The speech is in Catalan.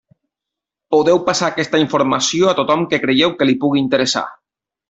Podeu passar aquesta informació a tothom que creieu que li pugui interessar.